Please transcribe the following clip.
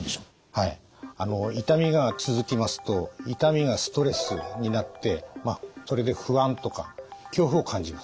痛みが続きますと痛みがストレスになってそれで不安とか恐怖を感じます。